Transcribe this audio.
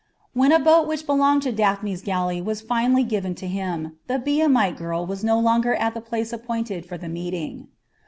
When a boat which belonged to Daphne's galley was finally given to him, the Biamite girl was no longer at the place appointed for the meeting.